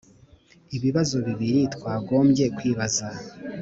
Ibibazo bibiri twagombye kwibaza